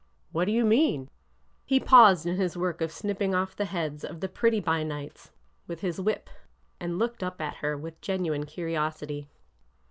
" What do you mean ?" He paused in his work of snipping off the heads of the pretty by nights with his whip, and looked up at her with genuine curiosity.